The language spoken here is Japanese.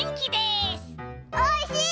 おいしい！